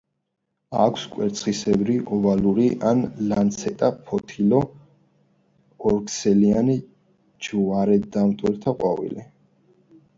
აქვს კვერცხისებრი, ოვალური ან ლანცეტა ფოთოლი, ორსქესიანი, ჯვარედინმტვერია ყვავილი.